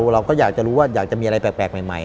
เราก็อยากจะรู้ว่าอยากจะมีอะไรแปลกใหม่